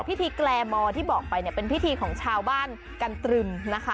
พิธีแกรมอร์ที่บอกไปเป็นพิธีของชาวบ้านกันตรึมนะคะ